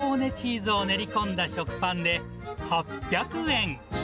一番人気は、マスカルポーネチーズを練り込んだ食パンで、８００円。